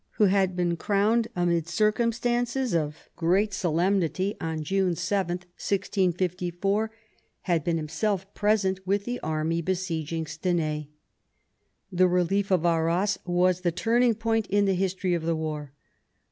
who had been crowned amid circum stances of great solemnity on June 7, 1654, had been himself present with the army besieging Stenay. The relief of Arras was the turning point in the history of the war.